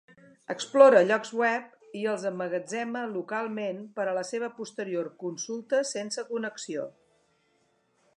Explora llocs web i els emmagatzema localment per a la seva posterior consulta sense connexió.